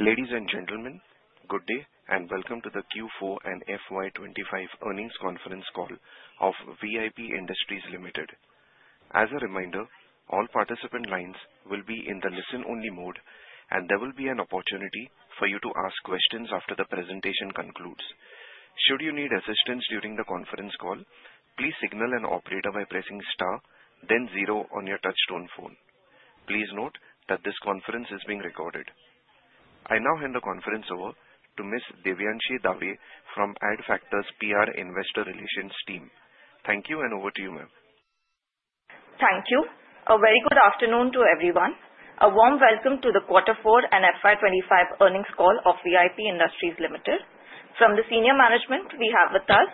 Ladies and gentlemen, good day and welcome to the Q4 and FY25 earnings conference call of VIP Industries Limited. As a reminder, all participant lines will be in the listen-only mode, and there will be an opportunity for you to ask questions after the presentation concludes. Should you need assistance during the conference call, please signal an operator by pressing star, then zero on your touch-tone phone. Please note that this conference is being recorded. I now hand the conference over to Ms. Devyanshi Dave from Adfactors PR Investor Relations team. Thank you, and over to you, ma'am. Thank you. A very good afternoon to everyone. A warm welcome to the Q4 and FY25 earnings call of VIP Industries Limited. From the senior management, we have with us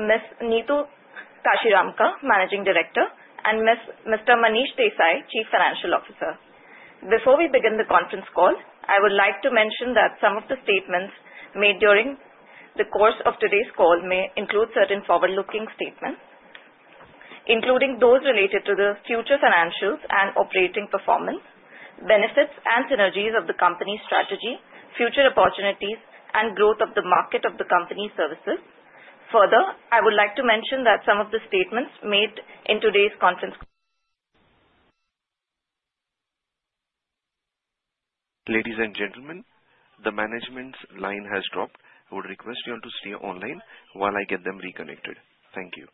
Ms. Neetu Kashiramka, Managing Director, and Mr. Manish Desai, Chief Financial Officer. Before we begin the conference call, I would like to mention that some of the statements made during the course of today's call may include certain forward-looking statements, including those related to the future financials and operating performance, benefits and synergies of the company's strategy, future opportunities, and growth of the market of the company's services. Further, I would like to mention that some of the statements made in today's conference call. Ladies and gentlemen, the management's line has dropped. I would request you all to stay online while I get them reconnected. Thank you.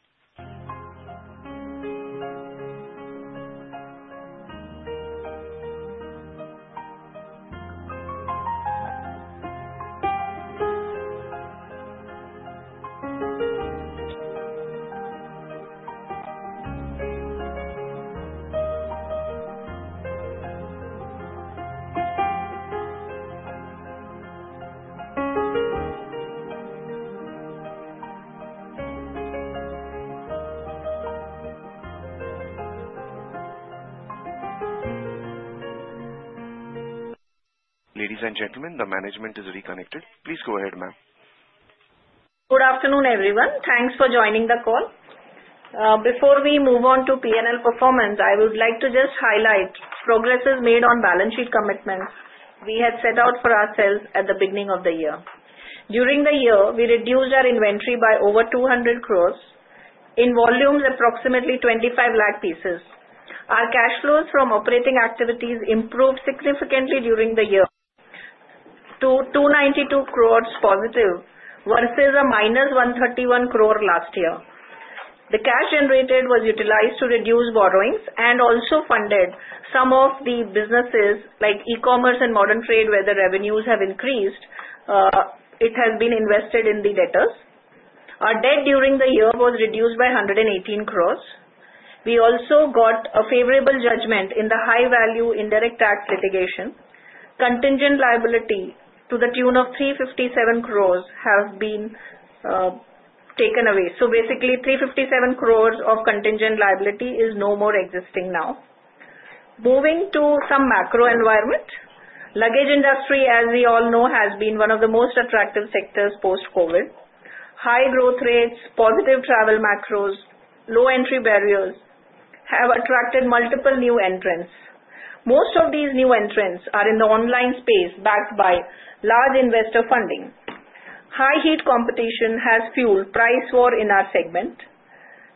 Ladies and gentlemen, the management is reconnected. Please go ahead, ma'am. Good afternoon, everyone. Thanks for joining the call. Before we move on to P&L performance, I would like to just highlight progresses made on balance sheet commitments we had set out for ourselves at the beginning of the year. During the year, we reduced our inventory by over 200 crores in volumes, approximately 25 lakh pieces. Our cash flows from operating activities improved significantly during the year to 292 crores positive versus a minus 131 crore last year. The cash generated was utilized to reduce borrowings and also funded some of the businesses like e-commerce and modern trade, where the revenues have increased. It has been invested in the debtors. Our debt during the year was reduced by 118 crores. We also got a favorable judgment in the high-value indirect tax litigation. Contingent liability to the tune of 357 crores has been taken away. So basically, 357 crores of contingent liability is no more existing now. Moving to some macro environment, the luggage industry, as we all know, has been one of the most attractive sectors post-COVID. High growth rates, positive travel macros, and low entry barriers have attracted multiple new entrants. Most of these new entrants are in the online space backed by large investor funding. High heat competition has fueled price war in our segment,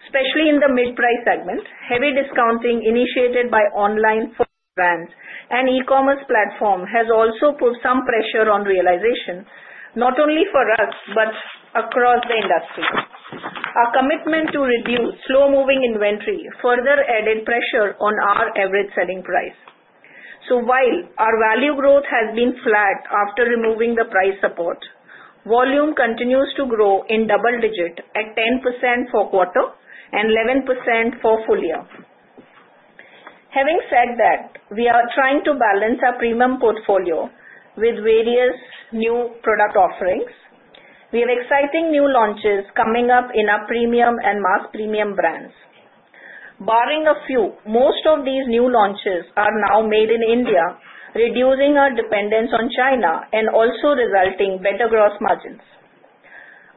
especially in the mid-price segment. Heavy discounting initiated by online brands and e-commerce platforms has also put some pressure on realization, not only for us but across the industry. Our commitment to reduce slow-moving inventory further added pressure on our average selling price. So while our value growth has been flat after removing the price support, volume continues to grow in double digits at 10% for quarter and 11% for full year. Having said that, we are trying to balance our premium portfolio with various new product offerings. We have exciting new launches coming up in our premium and mass premium brands. Barring a few, most of these new launches are now made in India, reducing our dependence on China and also resulting in better gross margins.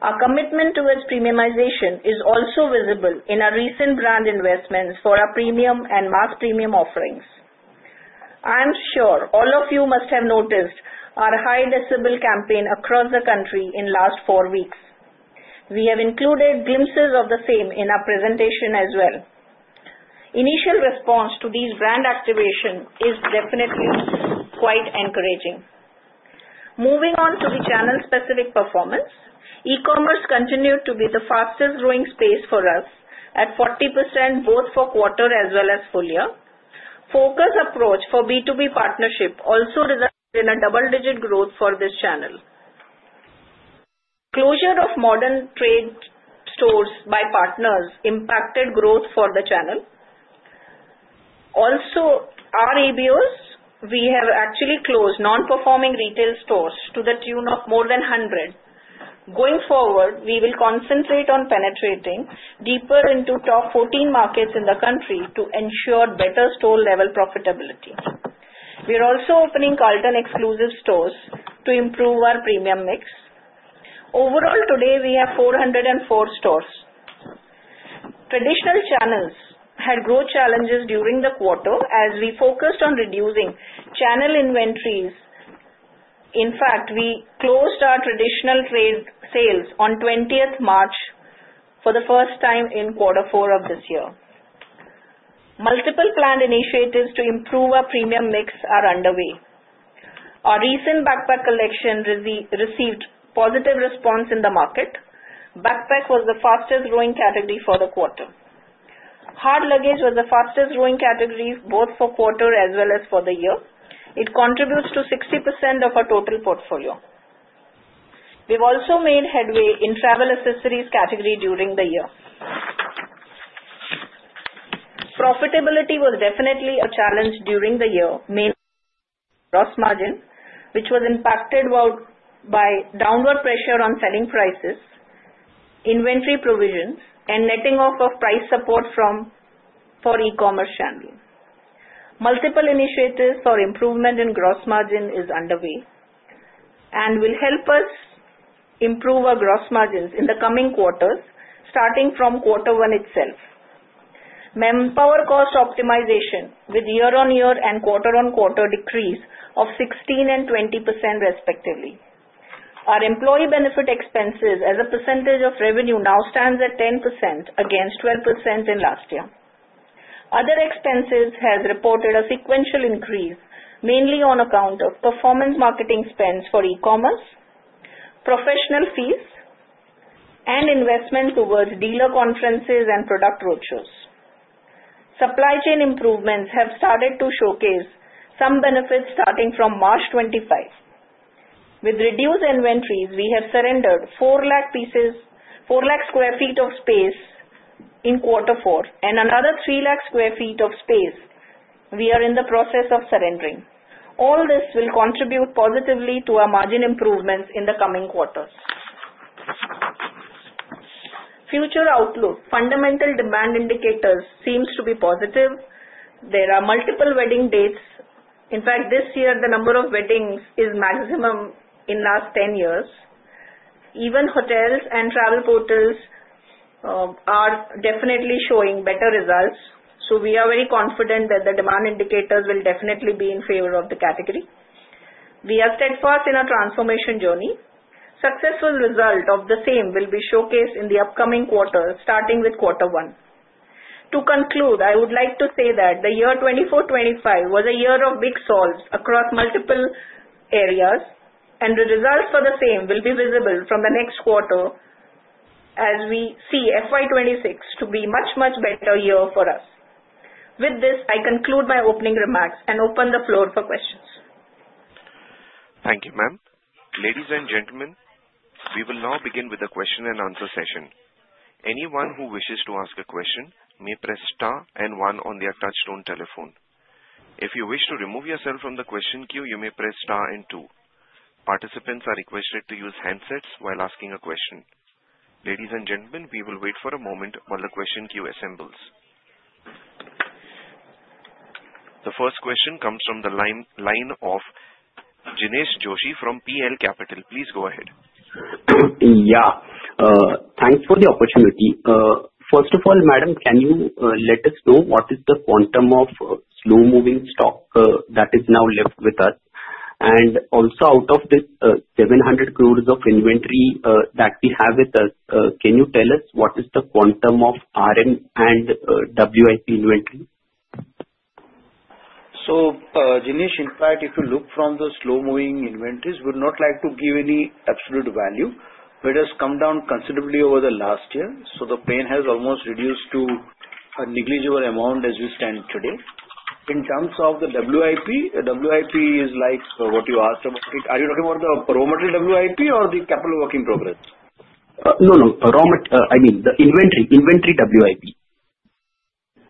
Our commitment towards premiumization is also visible in our recent brand investments for our premium and mass premium offerings. I'm sure all of you must have noticed our high-decibel campaign across the country in the last four weeks. We have included glimpses of the same in our presentation as well. Initial response to these brand activations is definitely quite encouraging. Moving on to the channel-specific performance, e-commerce continued to be the fastest-growing space for us at 40% both for quarter as well as full year. Focused approach for B2B partnership also resulted in a double-digit growth for this channel. Closure of modern trade stores by partners impacted growth for the channel. Also, our EBOs, we have actually closed non-performing retail stores to the tune of more than 100. Going forward, we will concentrate on penetrating deeper into top 14 markets in the country to ensure better store-level profitability. We are also opening Carlton exclusive stores to improve our premium mix. Overall, today, we have 404 stores. Traditional channels had growth challenges during the quarter as we focused on reducing channel inventories. In fact, we closed our traditional trade sales on 20 March for the first time in Q4 of this year. Multiple planned initiatives to improve our premium mix are underway. Our recent backpack collection received positive response in the market. Backpack was the fastest-growing category for the quarter. Hard luggage was the fastest-growing category both for quarter as well as for the year. It contributes to 60% of our total portfolio. We've also made headway in travel accessories category during the year. Profitability was definitely a challenge during the year, mainly gross margin, which was impacted by downward pressure on selling prices, inventory provisions, and netting off of price support for e-commerce channel. Multiple initiatives for improvement in gross margin are underway and will help us improve our gross margins in the coming quarters, starting from Q1 itself. Manpower cost optimization with year-on-year and quarter-on-quarter decrease of 16% and 20% respectively. Our employee benefit expenses as a percentage of revenue now stand at 10% against 12% in last year. Other expenses have reported a sequential increase, mainly on account of performance marketing spends for e-commerce, professional fees, and investment towards dealer conferences and product roadshows. Supply chain improvements have started to showcase some benefits starting from March 2025. With reduced inventories, we have surrendered 4 lakh sq ft of space in Q4 and another 3 lakh sq ft of space we are in the process of surrendering. All this will contribute positively to our margin improvements in the coming quarters. Future outlook: fundamental demand indicators seem to be positive. There are multiple wedding dates. In fact, this year, the number of weddings is maximum in the last 10 years. Even hotels and travel portals are definitely showing better results. So we are very confident that the demand indicators will definitely be in favor of the category. We are steadfast in our transformation journey. Successful result of the same will be showcased in the upcoming quarter, starting with Q1. To conclude, I would like to say that the year 2024-25 was a year of big solves across multiple areas, and the results for the same will be visible from the next quarter as we see FY26 to be a much, much better year for us. With this, I conclude my opening remarks and open the floor for questions. Thank you, ma'am. Ladies and gentlemen, we will now begin with a question-and-answer session. Anyone who wishes to ask a question may press star and one on their touch-tone telephone. If you wish to remove yourself from the question queue, you may press star and two. Participants are requested to use handsets while asking a question. Ladies and gentlemen, we will wait for a moment while the question queue assembles. The first question comes from the line of Dinesh Joshi from PL Capital. Please go ahead. Yeah. Thanks for the opportunity. First of all, madam, can you let us know what is the quantum of slow-moving stock that is now left with us? And also, out of the 700 crores of inventory that we have with us, can you tell us what is the quantum of RM and WIP inventory? So Dinesh, in fact, if you look from the slow-moving inventories, we would not like to give any absolute value. It has come down considerably over the last year. So the pain has almost reduced to a negligible amount as we stand today. In terms of the WIP, WIP is like what you asked about it. Are you talking about the permanent WIP or the capital work in progress? No, no. I mean the inventory. Inventory WIP.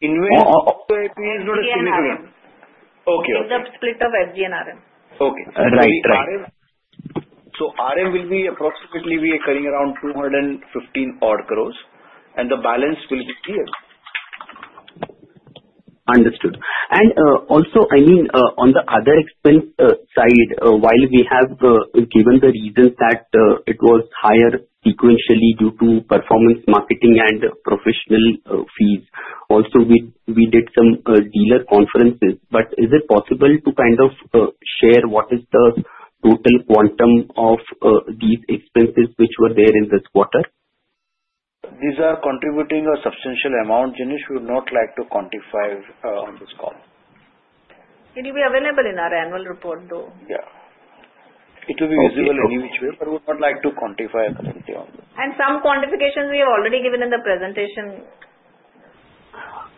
Inventory WIP is not a significant WIP. Okay. It's a split of FG and RM. Okay. Right, right. So, RM will be approximately. We are cutting around 215 odd crores, and the balance will be clear. Understood, and also, I mean, on the other expense side, while we have given the reason that it was higher sequentially due to performance marketing and professional fees, also we did some dealer conferences, but is it possible to kind of share what is the total quantum of these expenses which were there in this quarter? These are contributing a substantial amount. Dinesh, we would not like to quantify on this call. Can you be available in our annual report, though? Yeah. It will be visible any which way, but we would not like to quantify anything on this. Some quantifications we have already given in the presentation.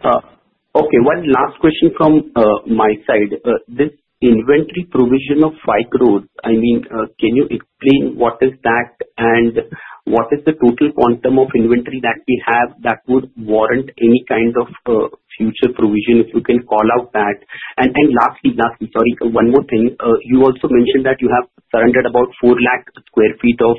Okay. One last question from my side. This inventory provision of 5 crore, I mean, can you explain what is that and what is the total quantum of inventory that we have that would warrant any kind of future provision if you can call out that? And lastly, lastly, sorry, one more thing. You also mentioned that you have surrendered about four lakh sq ft of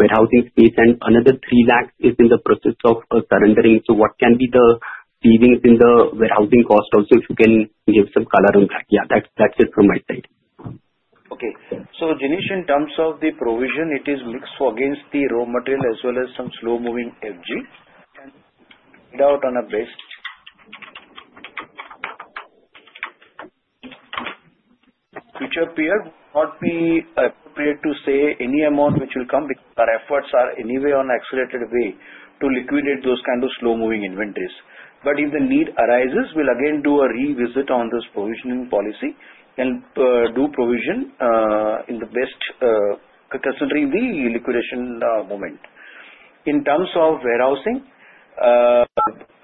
warehousing space, and another three lakh is in the process of surrendering. So what can be the savings in the warehousing cost also if you can give some color on that? Yeah, that's it from my side. Okay. So Dinesh, in terms of the provision, it is mixed against the raw material as well as some slow-moving FG. And without on a base future period would not be appropriate to say any amount which will come because our efforts are anyway on an accelerated way to liquidate those kind of slow-moving inventories. But if the need arises, we'll again do a revisit on this provisioning policy and do provision in the best considering the liquidation moment. In terms of warehousing,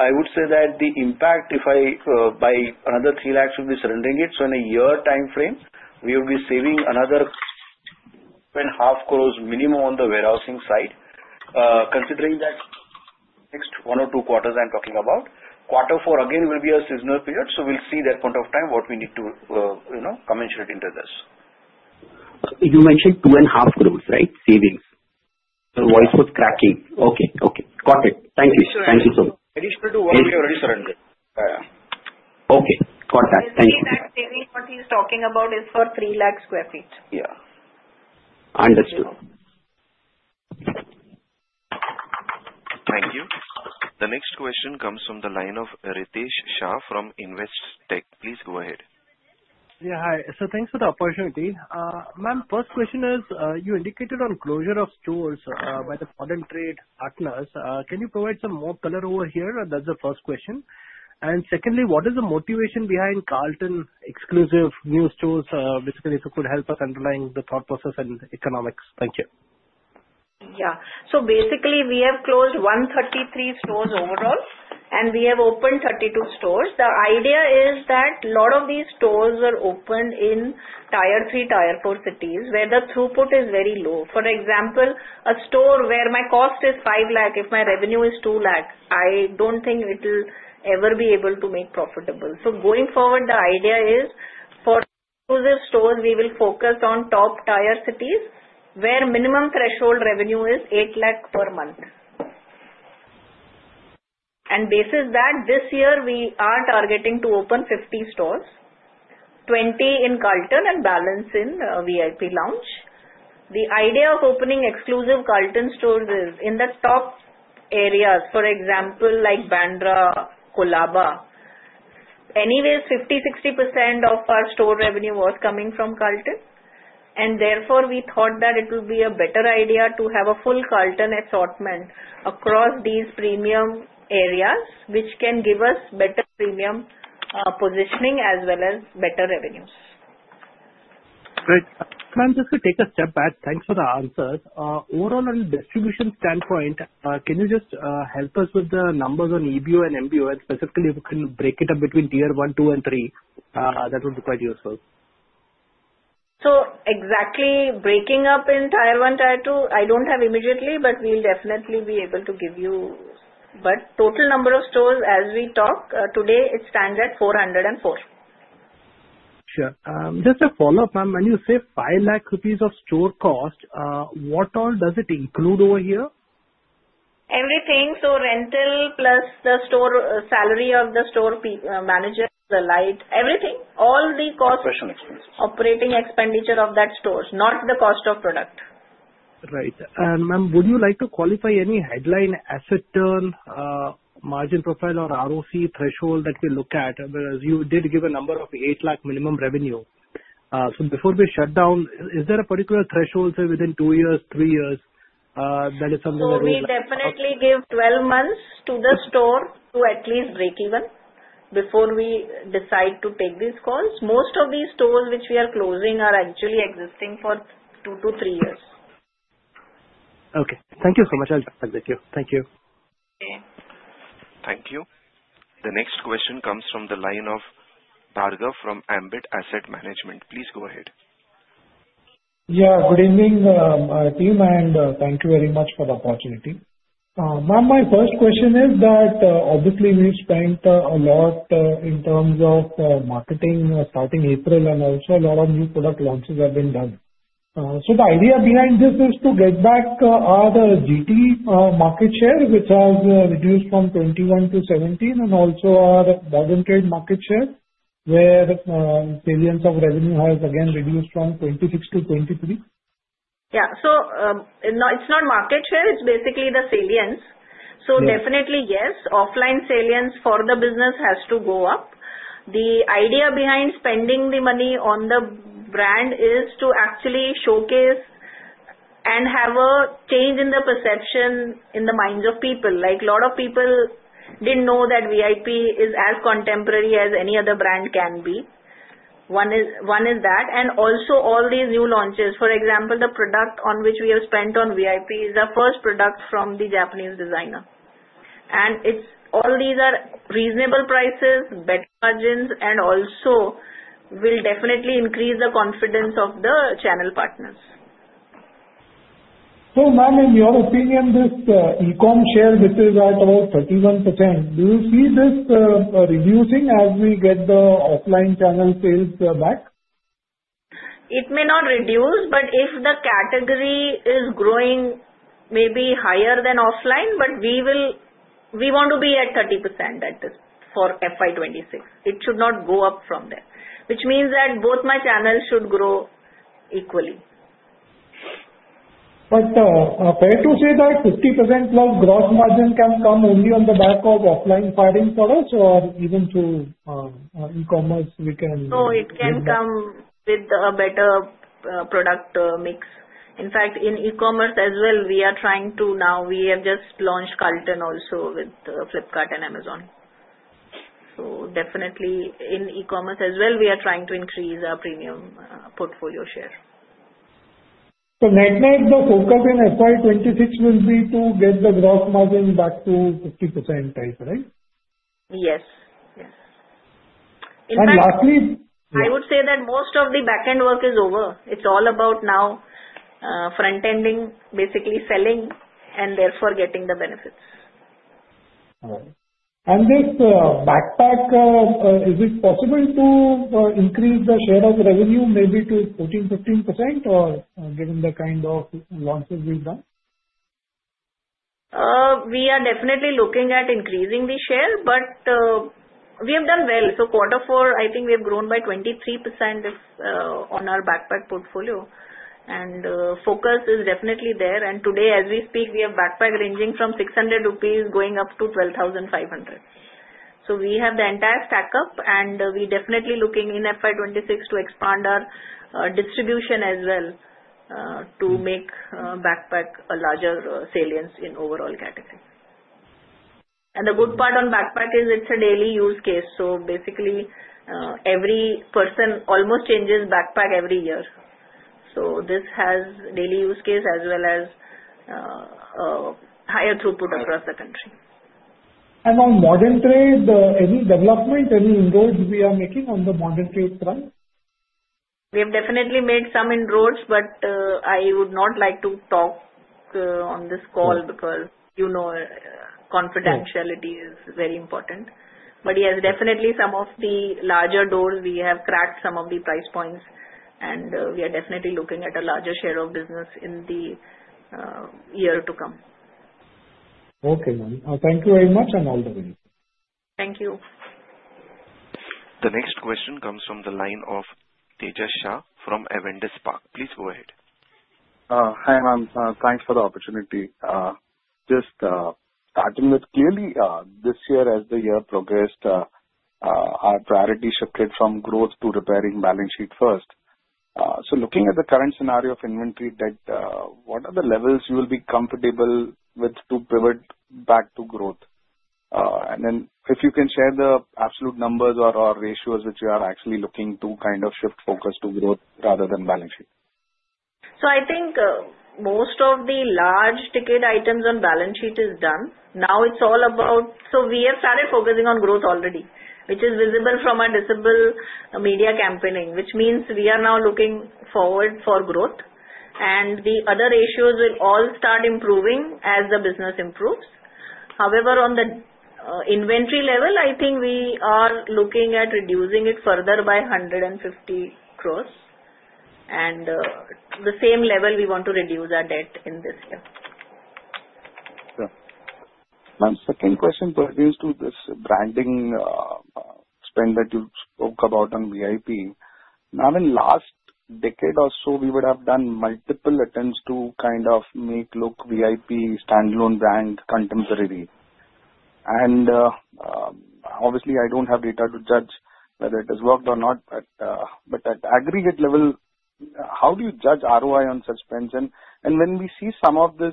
I would say that the impact if I buy another 3 lakh should be surrendering it. So in a year time frame, we will be saving another 2.5 crores minimum on the warehousing side. Considering that next one or two quarters I'm talking about, Q4 again will be a seasonal period. So we'll see that point of time what we need to commensurate into this. You mentioned 2.5 crores, right? Savings. The voice was cracking. Okay, okay. Got it. Thank you. Thank you so much. Additional to what we have already surrendered. Yeah, yeah. Okay. Got that. Thank you. I think that saving what he's talking about is for 3 lakh sq ft. Yeah. Understood. Thank you. The next question comes from the line of Ritesh Shah from Investec. Please go ahead. Yeah. Hi. So thanks for the opportunity. Ma'am, first question is you indicated on closure of stores by the General Trade partners. Can you provide some more color over here? That's the first question. And secondly, what is the motivation behind Carlton exclusive new stores? Basically, if you could help us underline the thought process and economics. Thank you. Yeah. So basically, we have closed 133 stores overall, and we have opened 32 stores. The idea is that a lot of these stores are open in tier three, tier four cities where the throughput is very low. For example, a store where my cost is 5 lakh, if my revenue is 2 lakh, I don't think it'll ever be able to make profitable. So going forward, the idea is for exclusive stores, we will focus on top tier cities where minimum threshold revenue is 8 lakh per month. And basis that this year we are targeting to open 50 stores, 20 in Carlton and balance in VIP Lounge. The idea of opening exclusive Carlton stores is in the top areas, for example, like Bandra, Colaba. Anyways, 50%-60% of our store revenue was coming from Carlton, and therefore we thought that it would be a better idea to have a full Carlton assortment across these premium areas, which can give us better premium positioning as well as better revenues. Great. Ma'am, just to take a step back, thanks for the answers. Overall, on a distribution standpoint, can you just help us with the numbers on EBO and MBO, and specifically if you can break it up between tier one, two, and three? That would be quite useful. So, exactly breaking up in tier one, tier two, I don't have immediately, but we'll definitely be able to give you. But total number of stores, as we talk today, it stands at 404. Sure. Just a follow-up, ma'am. When you say 500,000 rupees of store cost, what all does it include over here? Everything. So rental plus the store salary of the store manager, the light, everything. All the cost. Operation expenses. Operating expenditure of that store, not the cost of product. Right. And ma'am, would you like to qualify any headline asset turn, margin profile, or ROC threshold that we look at? You did give a number of 8 lakh minimum revenue. So before we shut down, is there a particular threshold within two years, three years that is something that we? We definitely give 12 months to the store to at least break even before we decide to take these calls. Most of these stores which we are closing are actually existing for two to three years. Okay. Thank you so much. I'll just execute. Thank you. Thank you. The next question comes from the line of Dhruv Jain from Ambit Asset Management. Please go ahead. Yeah. Good evening, team, and thank you very much for the opportunity. Ma'am, my first question is that obviously we've spent a lot in terms of marketing starting April, and also a lot of new product launches have been done. So the idea behind this is to get back our GT market share, which has reduced from 21 to 17, and also our modern trade market share where salience of revenue has again reduced from 26 to 23. Yeah. So it's not market share. It's basically the salience. So definitely, yes, offline salience for the business has to go up. The idea behind spending the money on the brand is to actually showcase and have a change in the perception in the minds of people. A lot of people didn't know that VIP is as contemporary as any other brand can be. One is that. And also, all these new launches, for example, the product on which we have spent on VIP is the first product from the Japanese designer. And all these are reasonable prices, better margins, and also will definitely increase the confidence of the channel partners. So ma'am, in your opinion, this e-com share which is at about 31%, do you see this reducing as we get the offline channel sales back? It may not reduce, but if the category is growing maybe higher than offline, but we want to be at 30% at this for FY26. It should not go up from there, which means that both my channels should grow equally. But, fair to say that 50% plus gross margin can come only on the back of offline buying for us, or even through e-commerce, we can? No, it can come with a better product mix. In fact, in e-commerce as well, we are trying to. Now we have just launched Carlton also with Flipkart and Amazon. So definitely in e-commerce as well, we are trying to increase our premium portfolio share. So that means the focus in FY26 will be to get the gross margin back to 50% type, right? Yes. Yes. And lastly. I would say that most of the backend work is over. It's all about now front-ending, basically selling, and therefore getting the benefits. This backpack, is it possible to increase the share of revenue maybe to 14%-15% or given the kind of launches we've done? We are definitely looking at increasing the share, but we have done well, so quarter four, I think we have grown by 23% on our backpack portfolio, and focus is definitely there, and today, as we speak, we have backpack ranging from 600 rupees going up to 12,500 rupees. So we have the entire stack up, and we're definitely looking in FY26 to expand our distribution as well to make backpack a larger salience in overall category, and the good part on backpack is it's a daily use case, so basically, every person almost changes backpack every year, so this has daily use case as well as higher throughput across the country. On modern trade, any development, any inroads we are making on the modern trade front? We have definitely made some inroads, but I would not like to talk on this call because confidentiality is very important. But yes, definitely some of the larger doors, we have cracked some of the price points, and we are definitely looking at a larger share of business in the year to come. Okay, ma'am. Thank you very much and all the best. Thank you. The next question comes from the line of Tejas Shah from Avendus Spark. Please go ahead. Hi, ma'am. Thanks for the opportunity. Just starting with, clearly this year as the year progressed, our priority shifted from growth to repairing balance sheet first. So looking at the current scenario of inventory debt, what are the levels you will be comfortable with to pivot back to growth? And then if you can share the absolute numbers or ratios which you are actually looking to kind of shift focus to growth rather than balance sheet? I think most of the large-ticket items on balance sheet is done. Now it's all about so we have started focusing on growth already, which is visible from our digital media campaigning, which means we are now looking forward for growth. The other ratios will all start improving as the business improves. However, on the inventory level, I think we are looking at reducing it further by 150 crores. The same level we want to reduce our debt in this year. Ma'am, second question pertains to this branding spend that you spoke about on VIP. Ma'am, in the last decade or so, we would have done multiple attempts to kind of make look VIP standalone brand contemporary. And obviously, I don't have data to judge whether it has worked or not, but at aggregate level, how do you judge ROI on spend? And when we see some of these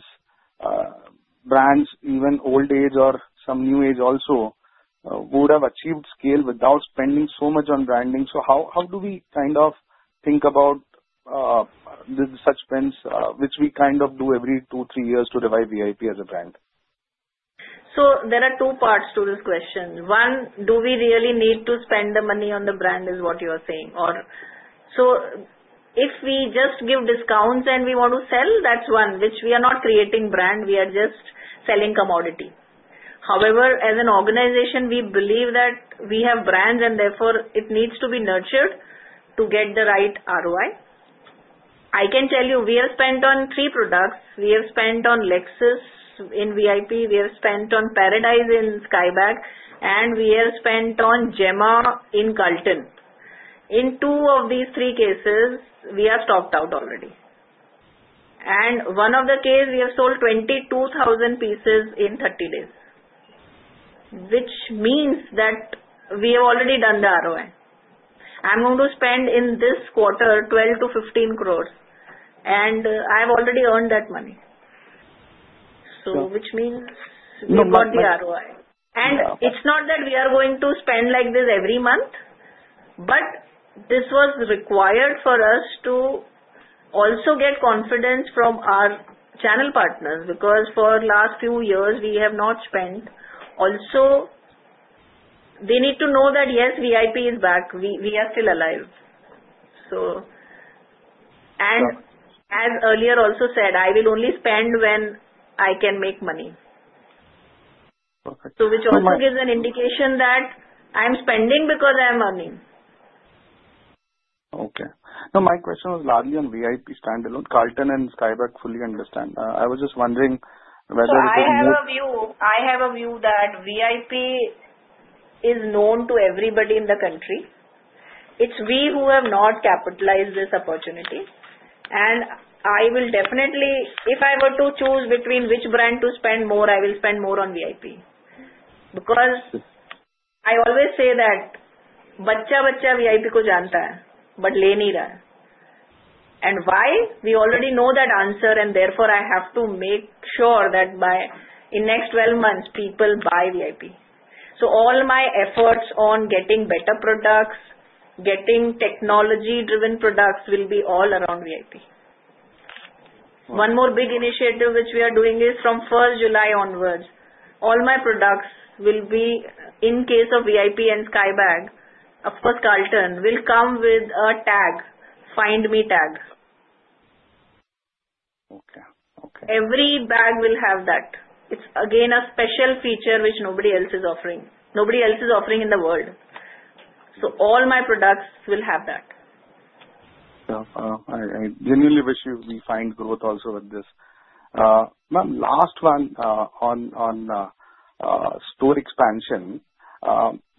brands, even old age or some new age also, would have achieved scale without spending so much on branding, so how do we kind of think about the spend, which we kind of do every two, three years to revive VIP as a brand? So there are two parts to this question. One, do we really need to spend the money on the brand is what you are saying. So if we just give discounts and we want to sell, that's one, which we are not creating brand, we are just selling commodity. However, as an organization, we believe that we have brands and therefore it needs to be nurtured to get the right ROI. I can tell you we have spent on three products. We have spent on Lexus in VIP, we have spent on Paradise in Skybags, and we have spent on Gemma in Carlton. In two of these three cases, we have stocked out already, and one of the cases, we have sold 22,000 pieces in 30 days, which means that we have already done the ROI. I'm going to spend in this quarter 12-15 crore, and I've already earned that money. So which means we got the ROI. And it's not that we are going to spend like this every month, but this was required for us to also get confidence from our channel partners because for the last few years, we have not spent. Also, they need to know that yes, VIP is back. We are still alive. And as earlier also said, I will only spend when I can make money. So which also gives an indication that I'm spending because I'm earning. Okay. No, my question was largely on VIP standalone. Carlton and Skybags fully understand. I was just wondering whether it was. No, I have a view. I have a view that VIP is known to everybody in the country. It's we who have not capitalized this opportunity. I will definitely, if I were to choose between which brand to spend more, I will spend more on VIP. Because I always say that bacha bacha VIP को जानता है, but ले नहीं रहा है. Why? We already know that answer, and therefore I have to make sure that in next 12 months, people buy VIP. So all my efforts on getting better products, getting technology-driven products will be all around VIP. One more big initiative which we are doing is from 1st July onwards, all my products will be in case of VIP and Skybags, of course, Carlton will come with a tag, Find Me tag. Every bag will have that. It's again a special feature which nobody else is offering. Nobody else is offering in the world. So all my products will have that. I genuinely wish we find growth also with this. Ma'am, last one on store expansion.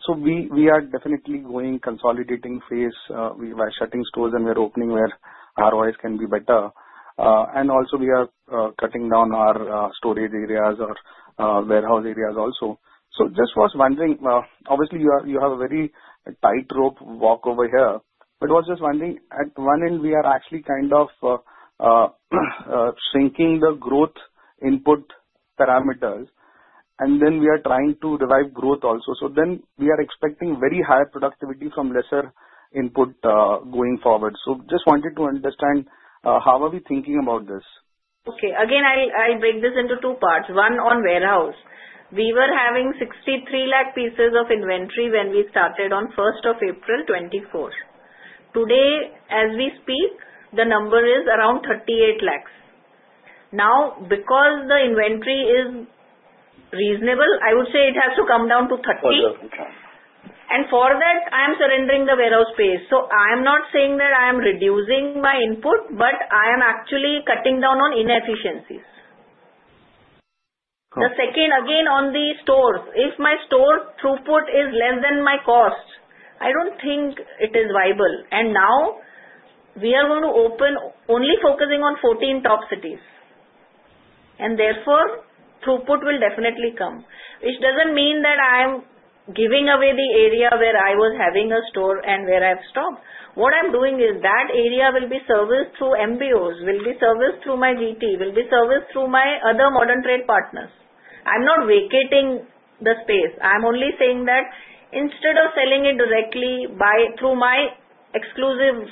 We are definitely going consolidating phase. We are shutting stores and we are opening where ROIs can be better. We are also cutting down our storage areas or warehouse areas also. I was just wondering, obviously, you have a very tightrope walk over here. I was just wondering, at one end, we are actually kind of shrinking the growth input parameters, and then we are trying to revive growth also. We are expecting very high productivity from lesser input going forward. I just wanted to understand how we are thinking about this. Okay. Again, I'll break this into two parts. One on warehouse. We were having 63 lakh pieces of inventory when we started on 1st of April 2024. Today, as we speak, the number is around 38 lakhs. Now, because the inventory is reasonable, I would say it has to come down to 30. And for that, I'm surrendering the warehouse space. So I'm not saying that I'm reducing my input, but I am actually cutting down on inefficiencies. The second, again, on the stores. If my store throughput is less than my cost, I don't think it is viable. And now we are going to open only focusing on 14 top cities. And therefore, throughput will definitely come. Which doesn't mean that I'm giving away the area where I was having a store and where I've stopped. What I'm doing is that area will be serviced through MBOs, will be serviced through my GT, will be serviced through my other modern trade partners. I'm not vacating the space. I'm only saying that instead of selling it directly through my exclusive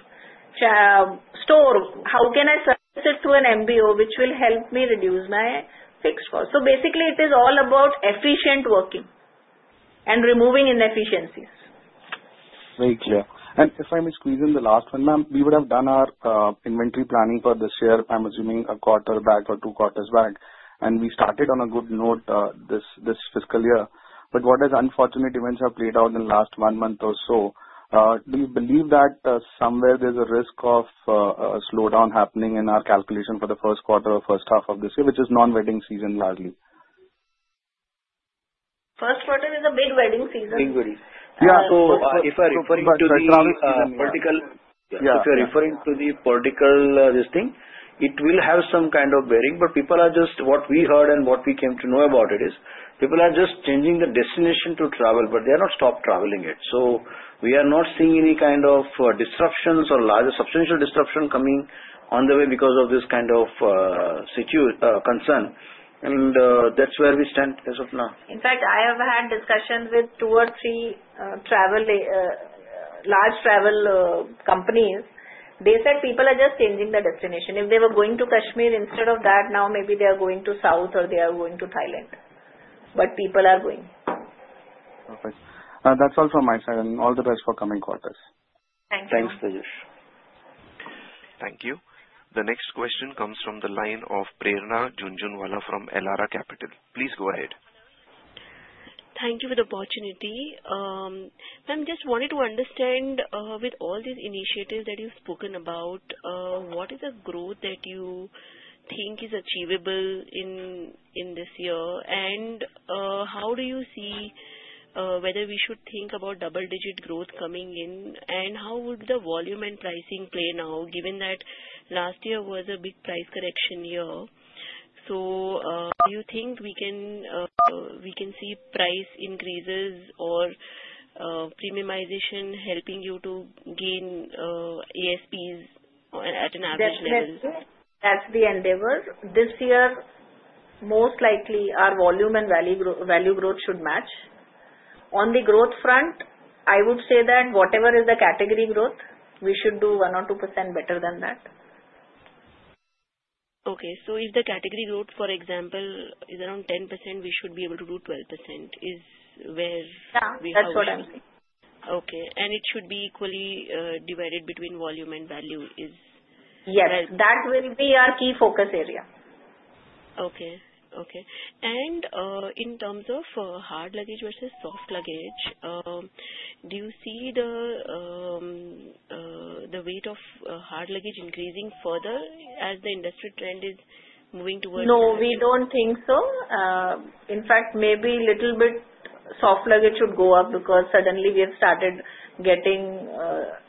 store, how can I service it through an MBO which will help me reduce my fixed cost? So basically, it is all about efficient working and removing inefficiencies. Very clear. And if I may squeeze in the last one, ma'am, we would have done our inventory planning for this year, I'm assuming a quarter back or two quarters back, and we started on a good note this fiscal year. But what unfortunate events have played out in the last one month or so? Do you believe that somewhere there's a risk of a slowdown happening in our calculation for the first quarter or first half of this year, which is non-wedding season largely? First quarter is a big wedding season. Big wedding. Yeah, so if you're referring to the vertical, if you're referring to the vertical listing, it will have some kind of bearing, but people are just what we heard and what we came to know about it is people are just changing the destination to travel, but they are not stopped traveling yet. So we are not seeing any kind of disruptions or larger substantial disruption coming on the way because of this kind of concern, and that's where we stand as of now. In fact, I have had discussion with two or three large travel companies. They said people are just changing the destination. If they were going to Kashmir instead of that, now maybe they are going to South or they are going to Thailand. But people are going. Perfect. That's all from my side. And all the best for coming quarters. Thank you. Thanks, Tejas. Thank you. The next question comes from the line of Prerna Jhunjhunwala from Elara Capital. Please go ahead. Thank you for the opportunity. Ma'am, just wanted to understand with all these initiatives that you've spoken about, what is the growth that you think is achievable in this year? And how do you see whether we should think about double-digit growth coming in? And how would the volume and pricing play now, given that last year was a big price correction year? So do you think we can see price increases or premiumization helping you to gain ASPs at an average level? That's the endeavor. This year, most likely, our volume and value growth should match. On the growth front, I would say that whatever is the category growth, we should do 1 or 2% better than that. Okay, so if the category growth, for example, is around 10%, we should be able to do 12%. Is where we have to? Yeah. That's what I'm saying. Okay. And it should be equally divided between volume and value. Is that right? Yes. That will be our key focus area. In terms of hard luggage versus soft luggage, do you see the weight of hard luggage increasing further as the industry trend is moving towards soft? No, we don't think so. In fact, maybe a little bit soft luggage should go up because suddenly we have started getting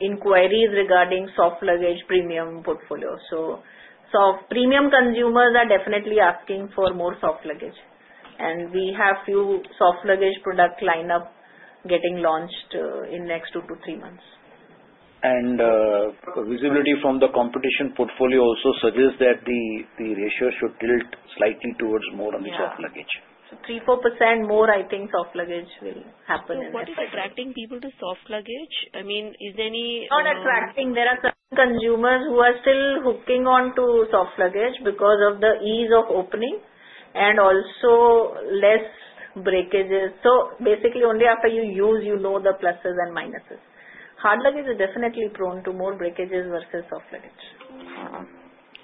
inquiries regarding soft luggage premium portfolio. So premium consumers are definitely asking for more soft luggage. And we have a few soft luggage product lineup getting launched in the next two to three months. Visibility from the competition portfolio also suggests that the ratio should tilt slightly towards more on the soft luggage. 3%-4% more, I think soft luggage will happen in the future. What is attracting people to soft luggage? I mean, is there any? Not attracting. There are some consumers who are still hooking on to soft luggage because of the ease of opening and also less breakages. So basically, only after you use, you know, the pluses and minuses. Hard luggage is definitely prone to more breakages versus soft luggage. Okay.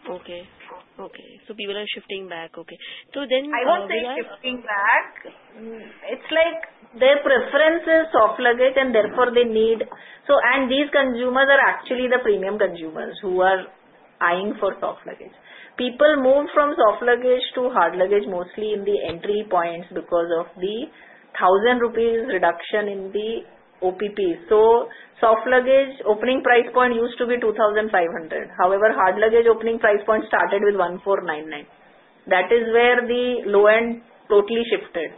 So people are shifting back. So then why? I would say shifting back. It's like their preference is soft luggage and therefore they need and these consumers are actually the premium consumers who are eyeing for soft luggage. People moved from soft luggage to hard luggage mostly in the entry points because of the 1,000 rupees reduction in the OPP. So soft luggage opening price point used to be 2,500. However, hard luggage opening price point started with 1,499. That is where the low end totally shifted.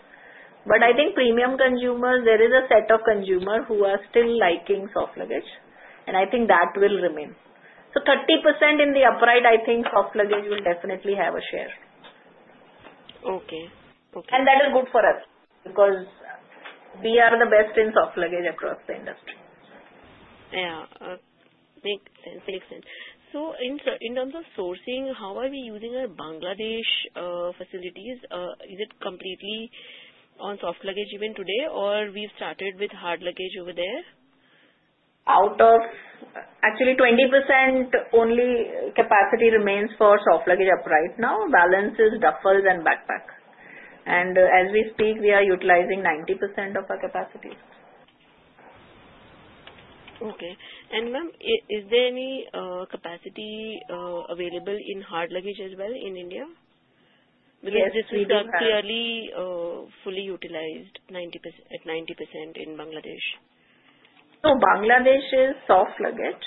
But I think premium consumers, there is a set of consumers who are still liking soft luggage. And I think that will remain. So 30% in the upright, I think soft luggage will definitely have a share. Okay. Okay. That is good for us because we are the best in soft luggage across the industry. Yeah. Makes sense. Makes sense. So in terms of sourcing, how are we using our Bangladesh facilities? Is it completely on soft luggage even today, or we've started with hard luggage over there? Out of actually 20% only capacity remains for soft luggage upright now. Balance is duffels and backpack. And as we speak, we are utilizing 90% of our capacity. Okay. And, ma'am, is there any capacity available in hard luggage as well in India? Because we talked clearly fully utilized at 90% in Bangladesh. No, Bangladesh is soft luggage,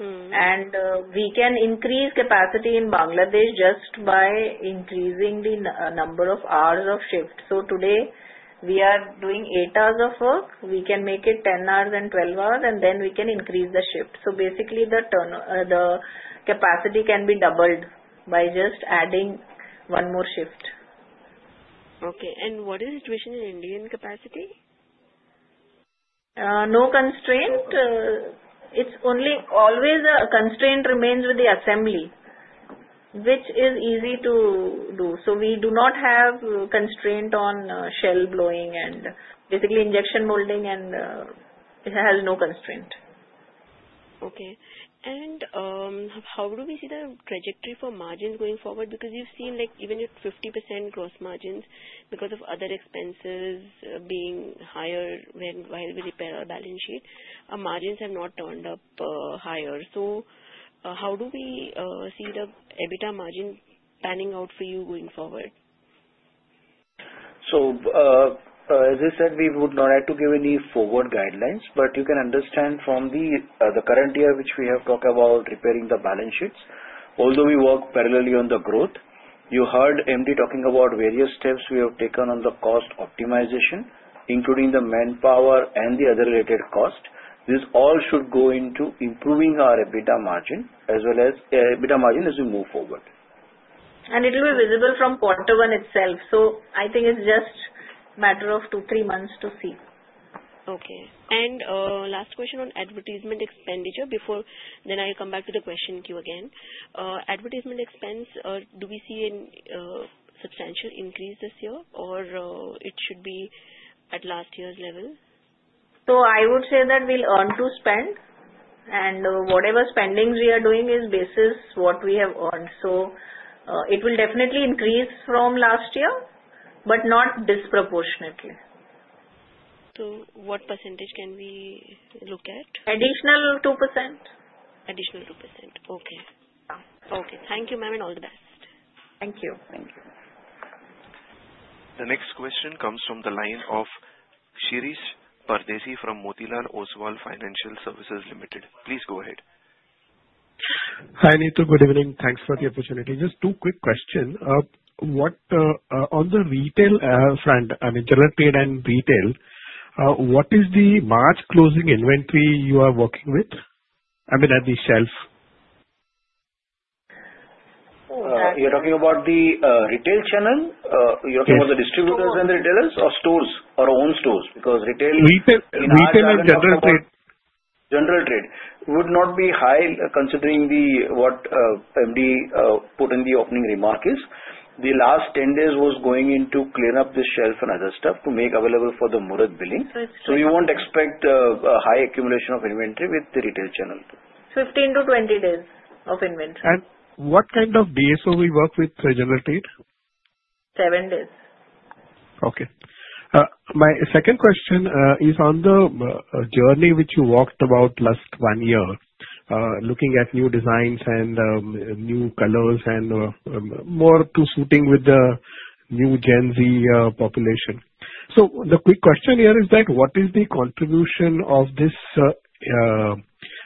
and we can increase capacity in Bangladesh just by increasing the number of hours of shift, so today, we are doing eight hours of work. We can make it 10 hours and 12 hours, and then we can increase the shift, so basically, the capacity can be doubled by just adding one more shift. Okay, and what is the situation in Indian capacity? No constraint. It's only always a constraint remains with the assembly, which is easy to do. So we do not have constraint on shell blowing and basically injection molding, and it has no constraint. Okay. And how do we see the trajectory for margins going forward? Because you've seen even at 50% gross margins because of other expenses being higher while we repair our balance sheet, margins have not turned up higher. So how do we see the EBITDA margin panning out for you going forward? So as I said, we would not like to give any forward guidelines, but you can understand from the current year which we have talked about repairing the balance sheets, although we work parallelly on the growth. You heard MD talking about various steps we have taken on the cost optimization, including the manpower and the other related cost. This all should go into improving our EBITDA margin as well as EBITDA margin as we move forward. And it will be visible from quarter one itself. So I think it's just a matter of two, three months to see. Okay. Last question on advertisement expenditure. Then I'll come back to the question queue again. Advertisement expense, do we see a substantial increase this year, or it should be at last year's level? So I would say that we'll earn to spend. And whatever spendings we are doing is based on what we have earned. So it will definitely increase from last year, but not disproportionately. So what percentage can we look at? Additional 2%. Additional 2%. Okay. Yeah. Okay. Thank you, ma'am, and all the best. Thank you. Thank you. The next question comes from the line of Shirish Pardeshi from Motilal Oswal Financial Services Limited. Please go ahead. Hi Neetu, good evening. Thanks for the opportunity. Just two quick questions. On the retail front, I mean, general trade and retail, what is the March closing inventory you are working with? I mean, at the shelf. You're talking about the retail channel? You're talking about the distributors and the retailers or stores or own stores? Because retail. Retail and general trade. General trade would not be high, considering what MD put in the opening remark is. The last 10 days was going into clean up the shelf and other stuff to make available for the Muhurat billing. So we won't expect a high accumulation of inventory with the retail channel. 15-20 days of inventory. What kind of DSO we work with, general trade? 7 days. Okay. My second question is on the journey which you walked about last one year, looking at new designs and new colors and more to suiting with the new Gen Z population. So the quick question here is that what is the contribution of these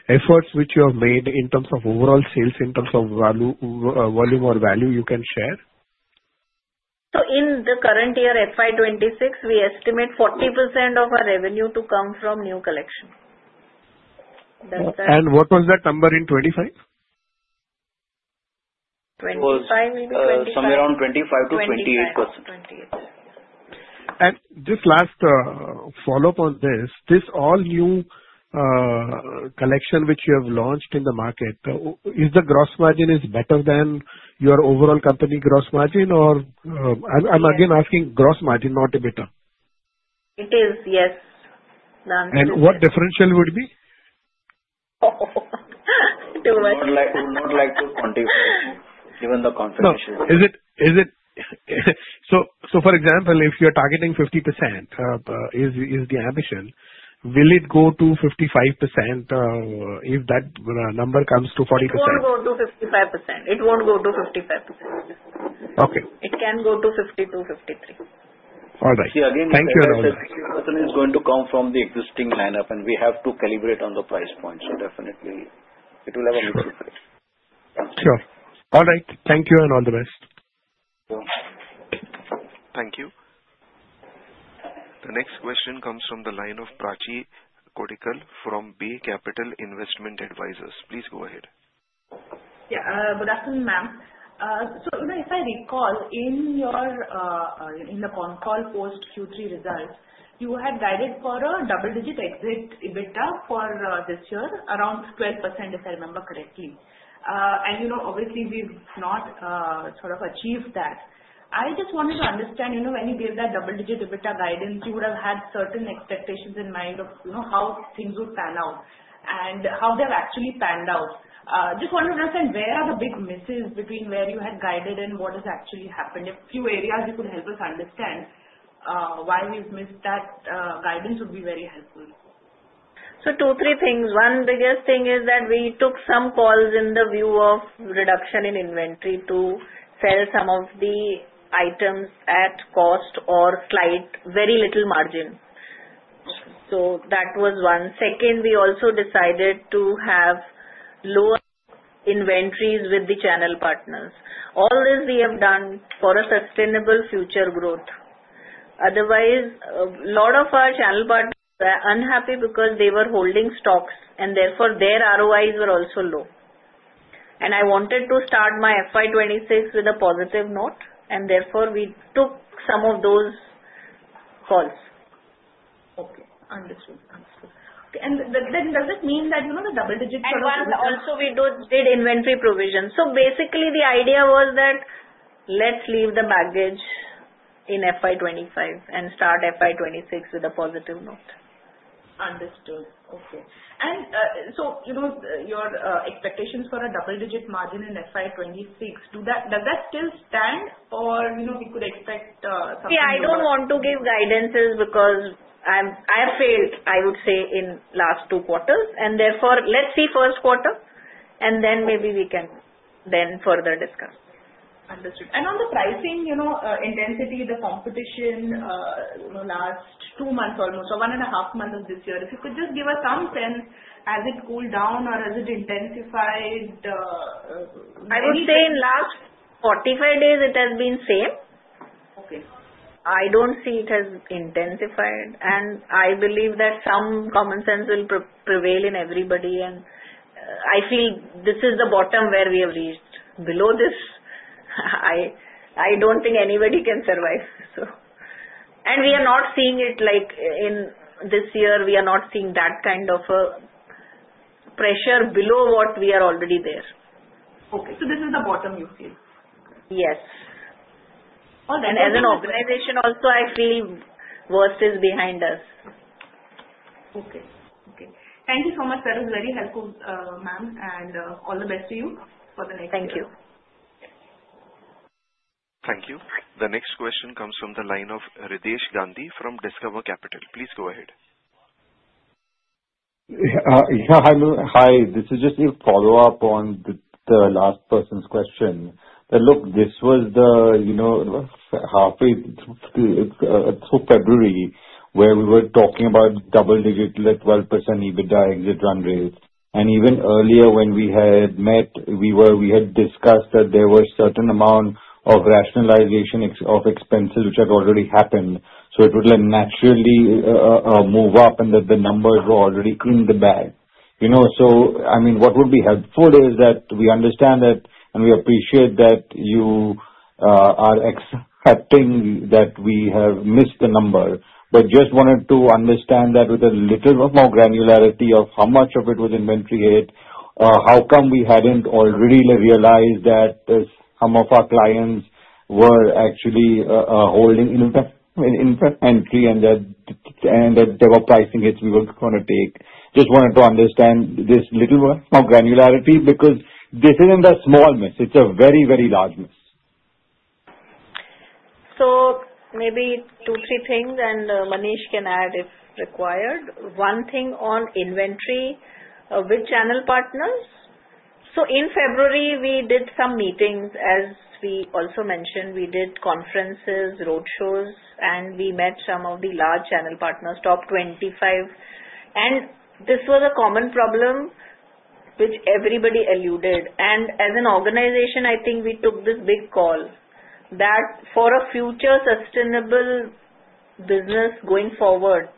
efforts which you have made in terms of overall sales, in terms of volume or value you can share? In the current year, FY26, we estimate 40% of our revenue to come from new collection. What was that number in 25? 25, maybe 27. Somewhere around 25%-28%. Just last follow-up on this, this all-new collection which you have launched in the market, is the gross margin better than your overall company gross margin? Or I'm again asking gross margin, not EBITDA. It is, yes. What differential would it be? Too much. We would not like to quantify given the confirmation. So for example, if you're targeting 50%, is the ambition, will it go to 55% if that number comes to 40%? It won't go to 55%. It won't go to 55%. Okay. It can go to 52, 53. All right. See again, you can say 52% is going to come from the existing lineup, and we have to calibrate on the price point. So definitely, it will have a big impact. Sure. All right. Thank you and all the best. Thank you. Thank you. The next question comes from the line of Prachi Kotikal from B&K Securities. Please go ahead. Yeah. Good afternoon, ma'am. So if I recall, in the phone call post Q3 results, you had guided for a double-digit exit EBITDA for this year, around 12% if I remember correctly. And obviously, we've not sort of achieved that. I just wanted to understand when you gave that double-digit EBITDA guidance, you would have had certain expectations in mind of how things would pan out and how they have actually panned out. Just wanted to understand where are the big misses between where you had guided and what has actually happened? A few areas you could help us understand why we've missed that guidance would be very helpful. So, two, three things. One biggest thing is that we took some calls in the view of reduction in inventory to sell some of the items at cost or slight, very little margin. So that was one. Second, we also decided to have lower inventories with the channel partners. All this we have done for a sustainable future growth. Otherwise, a lot of our channel partners were unhappy because they were holding stocks, and therefore their ROIs were also low. And I wanted to start my FY26 with a positive note, and therefore we took some of those calls. Okay. Understood. Understood. And then does it mean that the double-digit sort of? That's why also we did inventory provision, so basically, the idea was that let's leave the baggage in FY25 and start FY26 with a positive note. Understood. Okay. And so your expectations for a double-digit margin in FY26, does that still stand or we could expect something? Yeah. I don't want to give guidances because I have failed, I would say, in last two quarters. And therefore, let's see first quarter, and then maybe we can then further discuss. Understood. And on the pricing intensity, the competition last two months almost, or one and a half months of this year, if you could just give us some sense as it cooled down or as it intensified? I would say in last 45 days, it has been same. Okay. I don't see it has intensified. And I believe that some common sense will prevail in everybody. And I feel this is the bottom where we have reached. Below this, I don't think anybody can survive. And we are not seeing it like in this year. We are not seeing that kind of a pressure below what we are already there. Okay. So this is the bottom you feel? Yes. All right. As an organization also, I feel worse is behind us. Okay. Okay. Thank you so much. That was very helpful, ma'am, and all the best to you for the next year. Thank you. Thank you. The next question comes from the line of Ritesh Gandhi from Discover Capital. Please go ahead. Yeah. Hi, this is just a follow-up on the last person's question. Look, this was halfway through February where we were talking about double-digit 12% EBITDA exit run rate. Even earlier when we had met, we had discussed that there were a certain amount of rationalization of expenses which had already happened. So it would naturally move up and that the numbers were already in the bag. So I mean, what would be helpful is that we understand that and we appreciate that you are accepting that we have missed the number, but just wanted to understand that with a little more granularity of how much of it was inventory hit, how come we hadn't already realized that some of our clients were actually holding inventory and that there were pricing hits we were going to take. Just wanted to understand this little more granularity because this isn't a small miss. It's a very, very large miss. So, maybe two, three things, and Manish can add if required. One thing on inventory with channel partners. So, in February, we did some meetings. As we also mentioned, we did conferences, road shows, and we met some of the large channel partners, top 25. And this was a common problem which everybody alluded. And as an organization, I think we took this big call that for a future sustainable business going forward,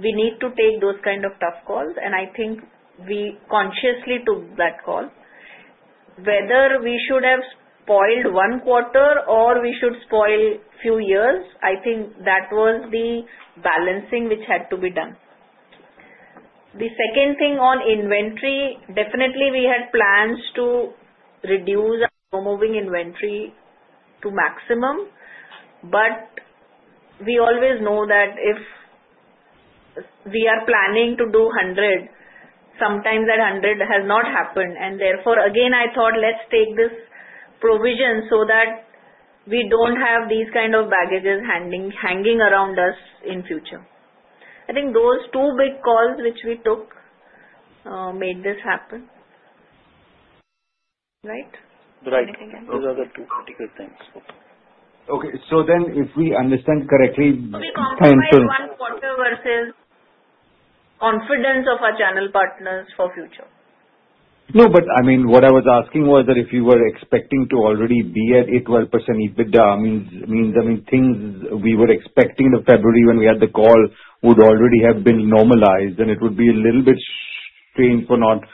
we need to take those kind of tough calls. And I think we consciously took that call. Whether we should have spoiled one quarter or we should spoil a few years, I think that was the balancing which had to be done. The second thing on inventory, definitely we had plans to reduce our moving inventory to maximum. But we always know that if we are planning to do 100, sometimes that 100 has not happened. And therefore, again, I thought, let's take this provision so that we don't have these kind of baggages hanging around us in future. I think those two big calls which we took made this happen. Right? Right. Those are the two particular things. Okay, so then if we understand correctly? If we compare one quarter versus confidence of our channel partners for future. No, but I mean, what I was asking was that if you were expecting to already be at 12% EBITDA. I mean, things we were expecting in February when we had the call would already have been normalized, and it would be a little bit strange for us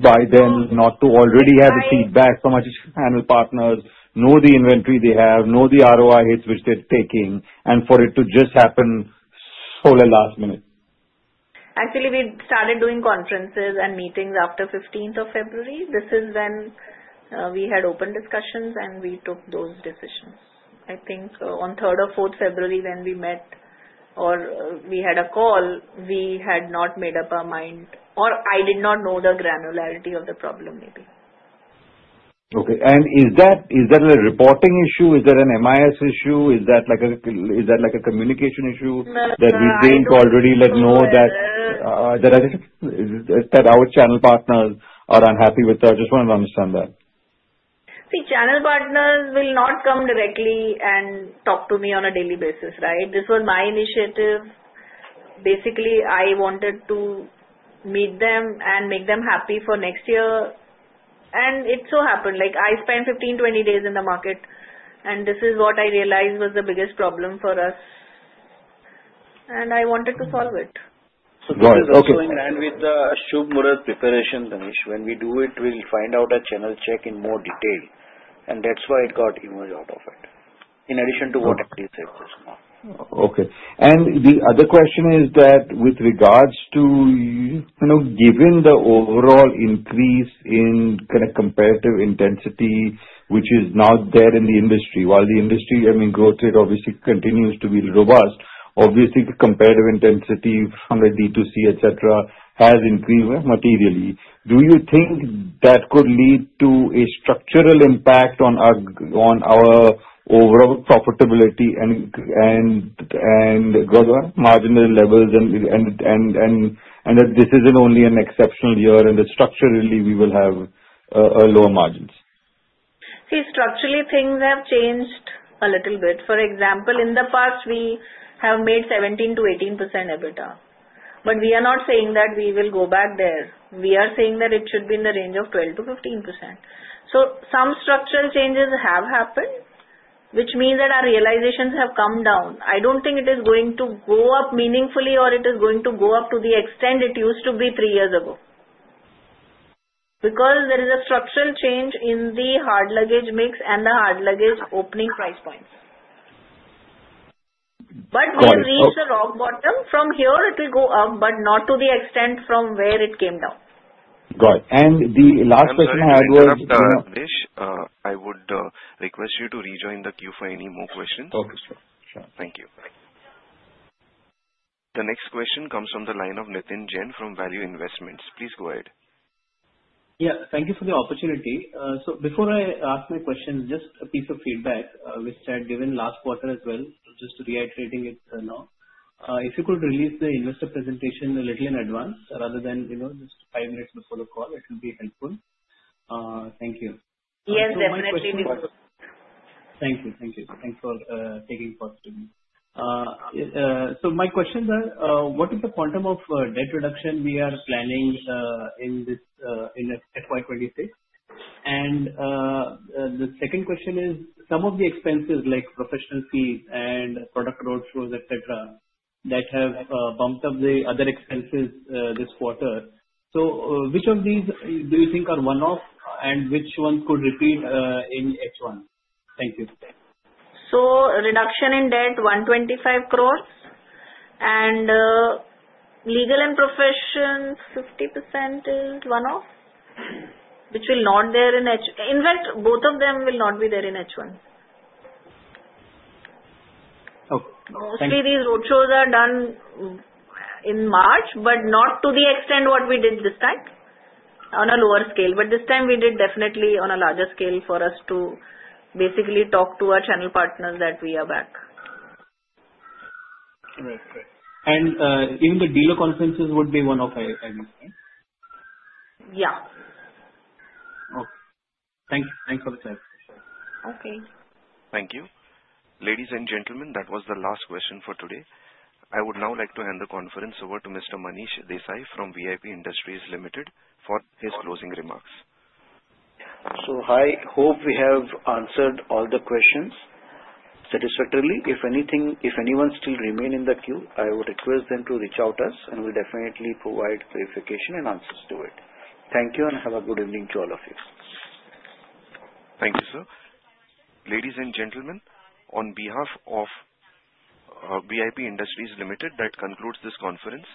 by then not to already have a feedback from our channel partners, know the inventory they have, know the ROI hits which they're taking, and for it to just happen so last minute. Actually, we started doing conferences and meetings after 15th of February. This is when we had open discussions, and we took those decisions. I think on 3rd or 4th February when we met or we had a call, we had not made up our mind, or I did not know the granularity of the problem maybe. Okay. And is that a reporting issue? Is that an MIS issue? Is that like a communication issue that we didn't already let know that our channel partners are unhappy with? I just want to understand that. See, channel partners will not come directly and talk to me on a daily basis, right? This was my initiative. Basically, I wanted to meet them and make them happy for next year and it so happened, I spent 15-20 days in the market, and this is what I realized was the biggest problem for us and I wanted to solve it. So this is going to end with the Shubh Muhurat preparation, Manish. When we do it, we'll find out a channel check in more detail. And that's why it got emerged out of it, in addition to what MD said just now. Okay. And the other question is that with regards to given the overall increase in kind of competitive intensity, which is not there in the industry, while the industry, I mean, growth rate obviously continues to be robust, obviously the competitive intensity, D2C, etc., has increased materially. Do you think that could lead to a structural impact on our overall profitability and marginal levels, and that this isn't only an exceptional year, and that structurally we will have lower margins? See, structurally things have changed a little bit. For example, in the past, we have made 17%-18% EBITDA. But we are not saying that we will go back there. We are saying that it should be in the range of 12%-15%. So some structural changes have happened, which means that our realizations have come down. I don't think it is going to go up meaningfully or it is going to go up to the extent it used to be three years ago. Because there is a structural change in the hard luggage mix and the hard luggage opening price points. But when it reaches a rock bottom from here, it will go up, but not to the extent from where it came down. Got it. And the last question I had was. Mr. Gandhi, I would request you to rejoin the queue for any more questions. Okay. Sure. Sure. Thank you. The next question comes from the line of Nitin Jain from ValueQuest Investment Advisors. Please go ahead. Yeah. Thank you for the opportunity. So before I ask my question, just a piece of feedback which I had given last quarter as well, just reiterating it now. If you could release the investor presentation a little in advance rather than just five minutes before the call, it would be helpful. Thank you. Yes, definitely. Thank you. Thank you. Thanks for taking part. So my questions are, what is the quantum of debt reduction we are planning in FY26? And the second question is, some of the expenses like professional fees and product road shows, etc., that have bumped up the other expenses this quarter. So which of these do you think are one-off and which ones could repeat in H1? Thank you. So, reduction in debt, 125 crores. And legal and professional 50% is one-off, which will not be there in H1. In fact, both of them will not be there in H1. Mostly these road shows are done in March, but not to the extent what we did this time on a lower scale. But this time we did definitely on a larger scale for us to basically talk to our channel partners that we are back. Right. Right. And even the dealer conferences would be one-off, I understand? Yeah. Okay. Thank you. Thanks for the time. Okay. Thank you. Ladies and gentlemen, that was the last question for today. I would now like to hand the conference over to Mr. Manish Desai from VIP Industries Limited for his closing remarks. So I hope we have answered all the questions satisfactorily. If anyone still remains in the queue, I would request them to reach out to us, and we'll definitely provide clarification and answers to it. Thank you, and have a good evening to all of you. Thank you, sir. Ladies and gentlemen, on behalf of VIP Industries Limited, that concludes this conference.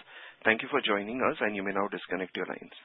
Thank you for joining us, and you may now disconnect your lines.